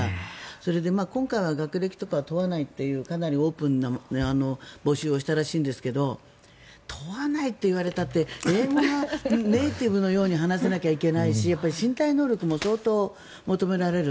それで、今回は学歴とかは問わないというかなりオープンな募集をしたらしいんですけど問わないって言われたって英語がネイティブのように話せないといけないし身体能力も相当求められる。